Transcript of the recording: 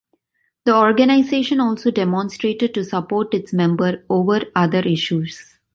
The organization also demonstrated to support its members over other issues.